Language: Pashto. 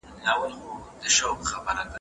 دوی وویل چې موږ د حل لارې لټوو.